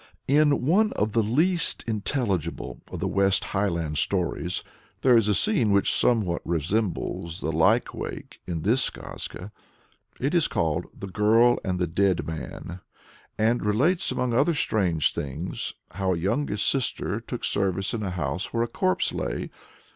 In one of the least intelligible of the West Highland tales, there is a scene which somewhat resembles the "lykewake" in this skazka. It is called "The Girl and the Dead Man," and relates, among other strange things, how a youngest sister took service in a house where a corpse lay.